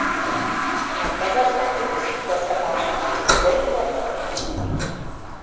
En el cas dels làctics, destaquen els formatges d'ovella i de cabra.